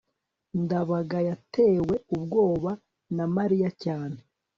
ndabaga yatewe ubwoba na mariya cyane